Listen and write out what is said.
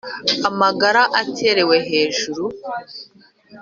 amagara aterewe hejuru